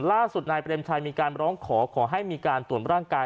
ล่าสุดนายเปรมชัยมีการร้องขอขอให้มีการตรวจร่างกาย